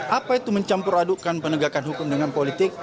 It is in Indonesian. apa itu mencampur adukan penegakan hukum dengan politik